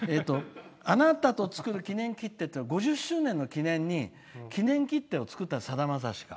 あなたと作る記念切手って５０周年の記念切手を作ったのさだまさしさんが。